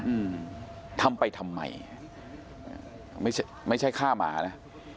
อืมทำไปทำใหม่ไม่ใช่ฆ่าหมานะ